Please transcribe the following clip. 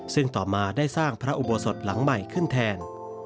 ซึ่งต่อมาได้สร้างพระอุโบสถหลังใหม่ขึ้นแทน